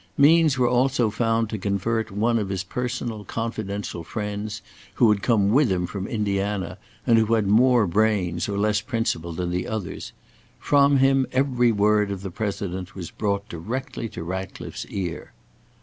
Means were also found to convert one of his personal, confidential friends, who had come with him from Indiana and who had more brains or less principle than the others; from him every word of the President was brought directly to Ratcliffe's ear.